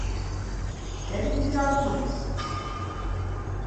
Quere dicir algo máis?